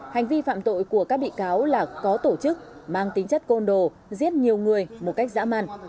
hành vi phạm tội của các bị cáo là có tổ chức mang tính chất côn đồ giết nhiều người một cách dã man